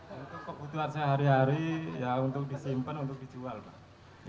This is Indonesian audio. untuk kebutuhan sehari hari ya untuk disimpan untuk dijual pak